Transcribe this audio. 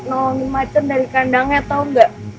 nolongin macem dari kandangnya tau gak